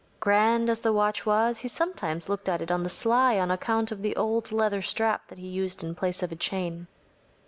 Grand as the watch was, he sometimes looked at it on the sly on account of the old leather strap that he used in place of a chain.